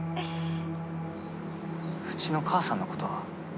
うちの母さんの事は？